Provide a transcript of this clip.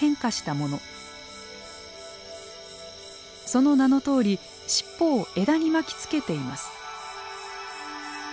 その名のとおり尻尾を枝に巻きつけています。